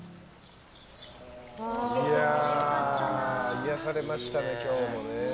癒やされましたね、今日もね。